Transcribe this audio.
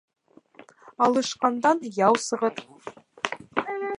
Алышҡандан яу сығыр.